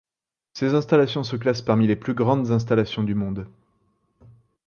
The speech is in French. Ces installations se classent parmi les plus grandes installations du monde.